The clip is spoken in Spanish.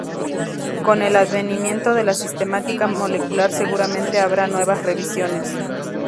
Con el advenimiento de la sistemática molecular seguramente habrá nuevas revisiones.